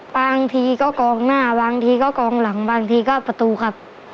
บางทีก็กองหน้าบางทีก็กองหลังบางทีก็ประตูครับ